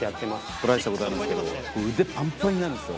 トライしたことありますけど、腕ぱんぱんになるんですよ。